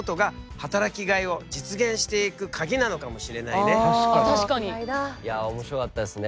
いや面白かったですね。